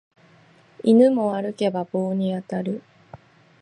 犬も歩けば棒に当たる